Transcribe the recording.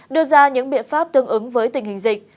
đưa ra những biện pháp tương ứng với tình hình dịch